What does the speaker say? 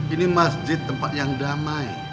ini masjid tempat yang damai